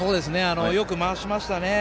よく回しましたよね。